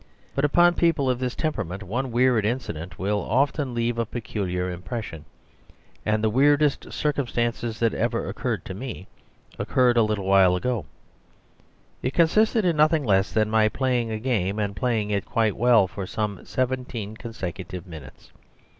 But upon people of this temperament one weird incident will often leave a peculiar impression. And the weirdest circumstance that ever occurred to me occurred a little while ago. It consisted in nothing less than my playing a game, and playing it quite well for some seventeen consecutive minutes.